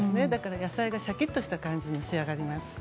野菜がシャキっとした感じに仕上がります。